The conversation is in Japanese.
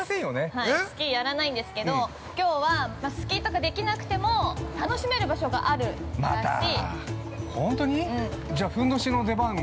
◆はい、スキーやらないんですけど、きょうはスキーとかできなくても楽しめる場所があるらしい。